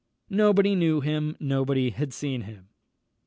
Nobody knew him; nobody had seen him.